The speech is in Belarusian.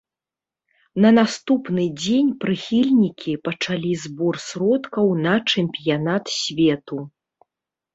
На наступны дзень прыхільнікі пачалі збор сродкаў на чэмпіянат свету.